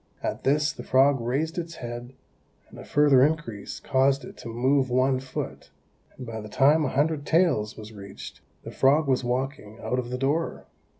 At this the frog raised its head, and a further increase caused it to move one foot; and by the time a hundred taels was reached, the frog was walking out of the door.